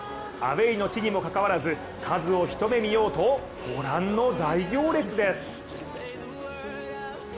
アウェーの地にもかかわらず、カズを一目見ようと御覧の大行列です。